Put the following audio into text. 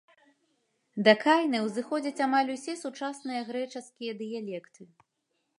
Да кайнэ ўзыходзяць амаль усе сучасныя грэчаскія дыялекты.